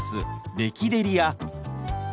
「レキデリ」や。